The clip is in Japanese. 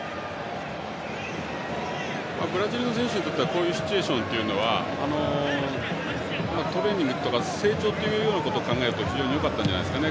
ブラジルの選手にとってはこういうシチュエーションはトレーニングとか成長ということを考えると非常によかったんじゃないですかね。